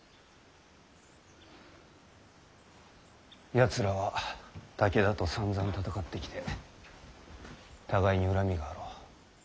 やつらは武田とさんざん戦ってきて互いに恨みがあろう。